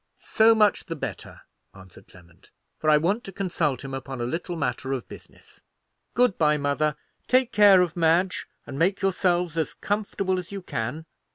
"So much the better," answered Clement, "for I want to consult him upon a little matter of business. Good bye, mother! Take care of Madge, and make yourselves as comfortable as you can.